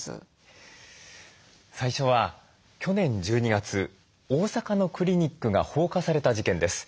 最初は去年１２月大阪のクリニックが放火された事件です。